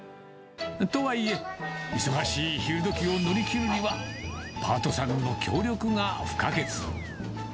とはいえ、忙しい昼どきを乗り切るには、パートさんの協力が不可欠。